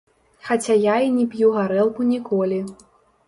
Хаця я і не п'ю гарэлку ніколі.